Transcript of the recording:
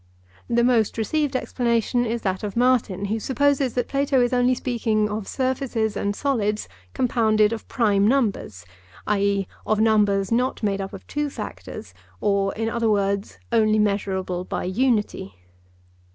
The most received explanation is that of Martin, who supposes that Plato is only speaking of surfaces and solids compounded of prime numbers (i.e. of numbers not made up of two factors, or, in other words, only measurable by unity).